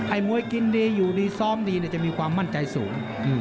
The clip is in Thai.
มวยกินดีอยู่ดีซ้อมดีจะมีความมั่นใจสูง